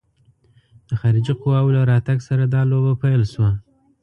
د خارجي قواوو له راتګ سره دا لوبه پیل شوه.